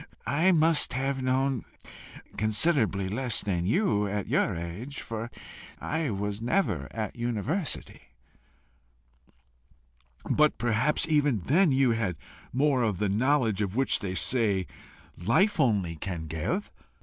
I must have known considerably less than you at your age, for I was never at a university." "But perhaps even then you had more of the knowledge which, they say, life only can give."